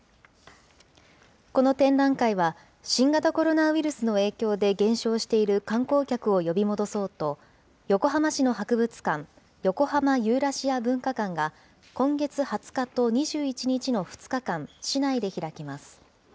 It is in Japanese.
この展覧会は、新型コロナウイルスの影響で減少している観光客を呼び戻そうと、横浜市の博物館、横浜ユーラシア文化館が、今月２０日と２１日の２日間、市内で開きます。